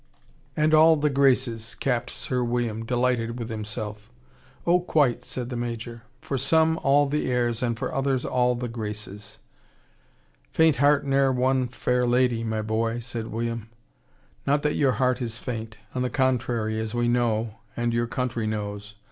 "And all the graces," capped Sir William, delighted with himself. "Oh, quite!" said the Major. "For some, all the airs, and for others, all the graces." "Faint heart ne'er won fair lady, my boy," said Sir William. "Not that your heart is faint. On the contrary as we know, and your country knows.